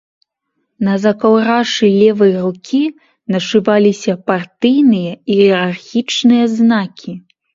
На закаўрашы левай рукі нашываліся партыйныя іерархічныя знакі.